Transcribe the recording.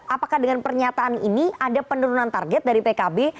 apakah dengan pernyataan ini ada penurunan target dari pkb